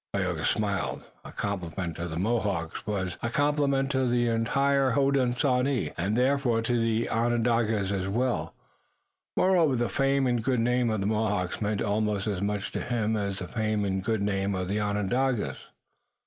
Tayoga smiled. A compliment to the Mohawks was a compliment to the entire Hodenosaunee, and therefore to the Onondagas as well. Moreover the fame and good name of the Mohawks meant almost as much to him as the fame and good name of the Onondagas.